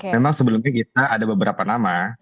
memang sebelumnya kita ada beberapa nama